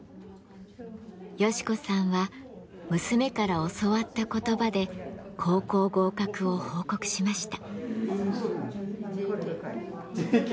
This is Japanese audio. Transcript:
ヨシ子さんは娘から教わった言葉で高校合格を報告しました。